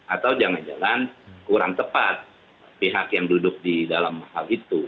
atau jangan jangan kurang tepat pihak yang duduk di dalam hal itu